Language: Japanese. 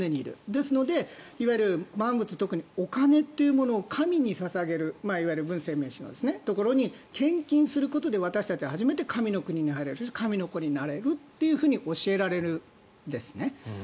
ですので、万物特にお金というのを神に捧げるいわゆるブン・センメイ氏のところに献金することで私たちは初めて神の国に入れる神の子になれると教えられるんですね。